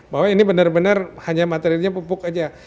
bahwa ini benar benar hanya materinya pupuk saja